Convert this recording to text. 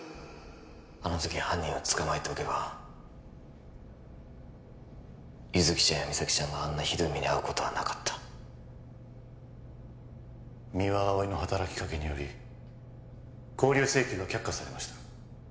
あの時犯人を捕まえておけば優月ちゃんや実咲ちゃんがあんなひどい目にあうことはなかった三輪碧の働きかけにより勾留請求が却下されました